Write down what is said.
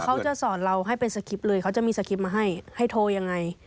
เขาจะสอนเราให้เป็นสคริปต์เลยเขาจะมีสคริปต์มาให้ให้โทรยังไง